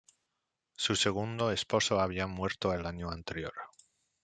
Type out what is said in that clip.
Su segundo esposo había muerto el año anterior.